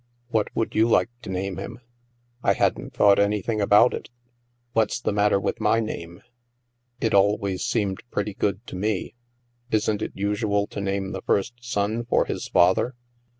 " What would you like to name him ?"" I hadn't thought anything about it. What's the matter with my name ? It always seemed pretty good to me. Isn't it usual to name the first son for his father?"